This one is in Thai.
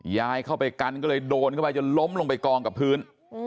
ยายเข้าไปกันก็เลยโดนเข้าไปจนล้มลงไปกองกับพื้น